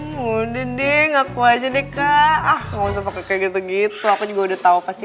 mudah mudahan deh ngaku aja nih kak ah mau seperti gitu gitu aku juga udah tahu pasti